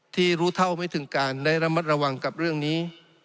รู้เท่าไม่ถึงการได้ระมัดระวังกับเรื่องนี้